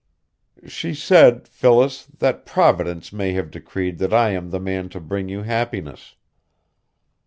"She said, Phyllis, that Providence may have decreed that I am the man to bring you happiness."